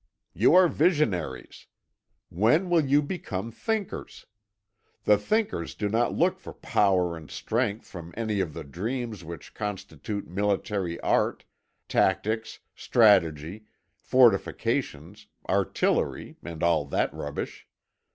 You are visionaries. When will you become thinkers? The thinkers do not look for power and strength from any of the dreams which constitute military art: tactics, strategy, fortifications, artillery, and all that rubbish.